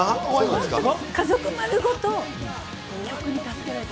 家族丸ごと曲に助けられた。